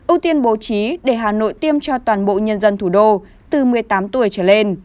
ưu tiên bố trí để hà nội tiêm cho toàn bộ nhân dân thủ đô từ một mươi tám tuổi trở lên